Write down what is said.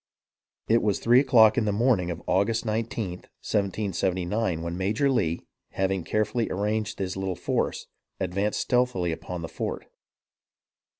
It was three o'clock in the morning of August 19th, 1779, when Major Lee, having carefully arranged his little force, advanced stealthily upon the fort.